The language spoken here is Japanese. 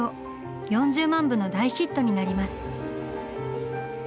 ４０万部の大ヒットになります。